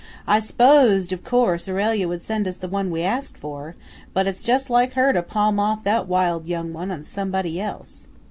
"I s'posed, of course, Aurelia would send us the one we asked for, but it's just like her to palm off that wild young one on somebody else."